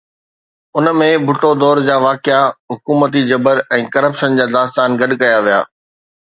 ان ۾ ڀٽو دور جا واقعا، حڪومتي جبر ۽ ڪرپشن جا داستان گڏ ڪيا ويا.